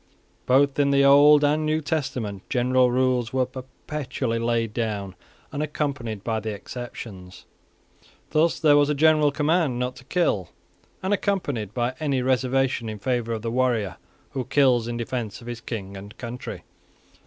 Both in the Old and in the New Testament general rules were perpetually laid down unaccompanied by the exceptions. Thus there was a general command not to kill, unaccompanied by any reservation in favour of the warrior who kills in defence of his king and country.